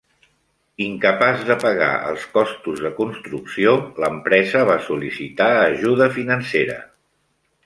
Incapaç de pagar els costos de construcció, l'empresa va sol·licitar ajuda financera.